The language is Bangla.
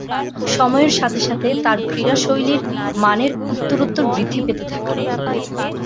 সময়ের সাথে সাথে তার ক্রীড়াশৈলীর মানের উত্তরোত্তর বৃদ্ধি পাতে থাকে।